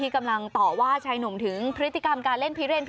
กำลังต่อว่าชายหนุ่มถึงพฤติกรรมการเล่นพิเรน